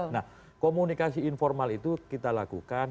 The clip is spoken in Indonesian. nah komunikasi informal itu kita lakukan